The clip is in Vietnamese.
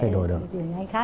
thay đổi ngay khác đúng không ạ